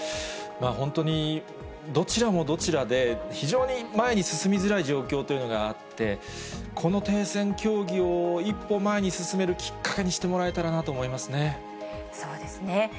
本当に、どちらもどちらで、非常に前に進みづらい状況というのがあって、この停戦協議を一歩前に進めるきっかけにしてもらえたらなと思いそうですね。